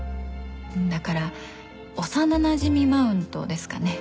だから幼なじみマウントですかね。